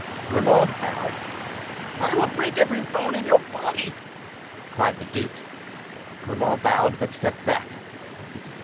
Grimaud bowed. "I will break every bone in your body!" cried the duke. Grimaud bowed, but stepped back.